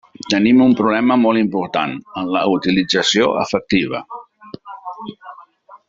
Tenim un problema molt important en la utilització efectiva.